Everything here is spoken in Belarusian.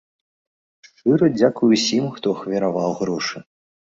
Шчыра дзякую ўсім, хто ахвяраваў грошы.